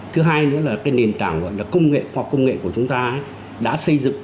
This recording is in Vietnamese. thứ hai nữa là cái nền tảng gọi là công nghệ khoa học công nghệ của chúng ta đã xây dựng